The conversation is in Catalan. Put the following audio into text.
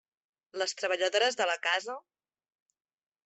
-Les treballadores de la casa…